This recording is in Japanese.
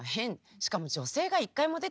しかも女性が一回も出てこないじゃない？